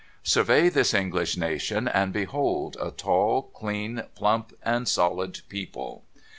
Survey this English nation, and behold a tall, clean, plump, and solid people